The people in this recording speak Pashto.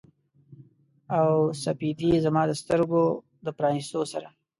او سپیدې زما د سترګو د پرانیستلو سره